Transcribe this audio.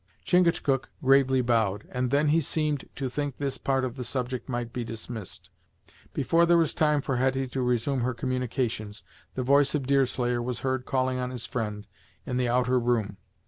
Chingachgook gravely bowed, and then he seemed to think this part of the subject might be dismissed. Before there was time for Hetty to resume her communications, the voice of Deerslayer was heard calling on his friend, in the outer room.